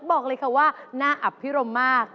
บอกเลยคำว่าน่าอภิรมมาก